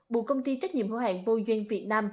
bộ công ty trách nhiệm hữu hạng bô duyên việt nam